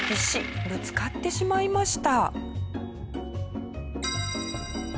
ぶつかってしまいました。